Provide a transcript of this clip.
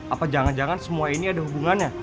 apa jangan jangan semua ini ada hubungannya